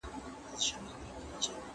¬ په ډېري کې خوره، په لږي کي ست کوه.